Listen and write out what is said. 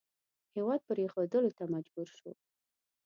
هېواد پرېښودلو ته مجبور شو.